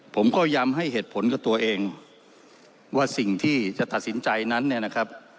ผมก็ย้ำให้เหตุผลกับตัวเองว่าสิ่งที่จะตัดสินใจนั้นเนี่ยนะครับ